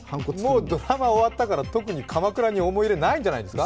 もうドラマ終わったから特に鎌倉に思い入れないんじゃないですか？